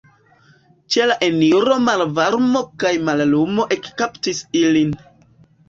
Ĉe la eniro malvarmo kaj mallumo ekkaptis ilin.